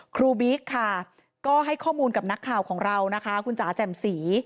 บิ๊กค่ะก็ให้ข้อมูลกับนักข่าวของเรานะคะคุณจ๋าแจ่มสี